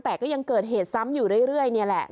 แต่ก็ยังเกิดเหตุซ้ำอยู่เรื่อยนี่แหละ